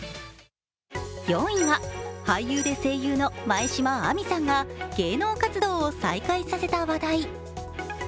４位は俳優で声優の前島亜美さんが芸能活動を再開させた話題。